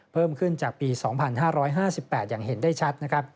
เพิ่มขึ้นจากปี๒๕๕๘อย่างเห็นได้ชัดนะครับ